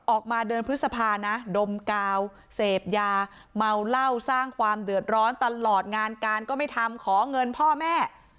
ออกมาเดือนพฤษภานะดมกาวเสพยาเมาเหล้าสร้างความเดือดร้อนตลอดงานการก็ไม่ทำขอเงินพ่อแม่